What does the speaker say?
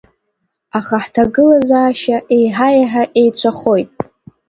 Аха ҳҭагылазаашьа еиҳа-еиҳа еицәахоит.